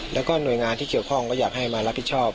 แล้วก็หน่วยงานที่เกี่ยวข้องก็อยากให้มารับผิดชอบ